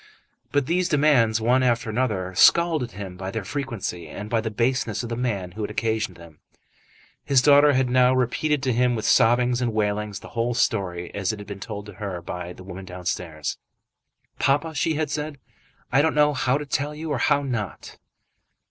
But these demands, one after another, scalded him by their frequency, and by the baseness of the man who had occasioned them. His daughter had now repeated to him with sobbings and wailings the whole story as it had been told to her by the woman downstairs. "Papa," she had said, "I don't know how to tell you or how not."